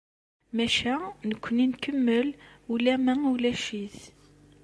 Maca nekkni nkemmel, ula ma ulac-it.